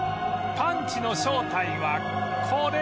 パンチの正体はこれ